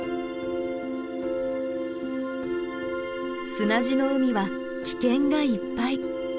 砂地の海は危険がいっぱい。